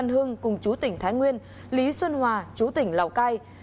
văn hưng cùng chú tỉnh thái nguyên lý xuân hòa chú tỉnh lào cai